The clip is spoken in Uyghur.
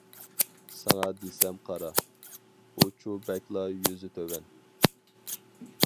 ساڭا دېسەم قارا، ئۇچۇ بەكلا يۈزى تۆۋەن.